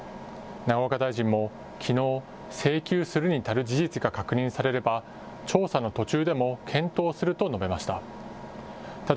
永岡大臣もきのう、請求するに足る事実が確認されれば、調査の途中でも検討すると述べました。